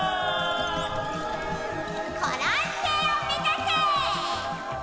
コロンせいをめざせ！